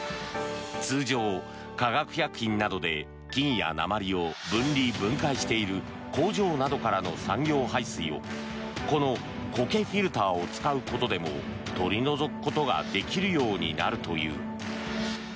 通常、化学薬品などで金や鉛を分離・分解している工場などからの産業排水をこのコケフィルターを使うことでも取り除くことができるようになるという。